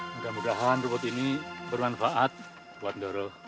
mudah mudahan rumput ini bermanfaat buat doro